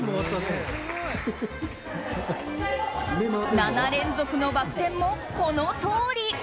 ７連続のバク転もこのとおり。